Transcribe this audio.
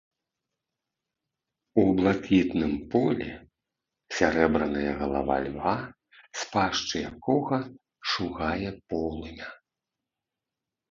У блакітным полі сярэбраная галава льва, з пашчы якога шугае полымя.